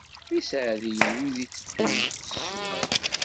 D iseɛdiyen wid itteddun s ṣṣwab.